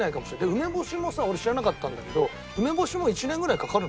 梅干しもさ俺知らなかったんだけど梅干しも１年ぐらいかかるの？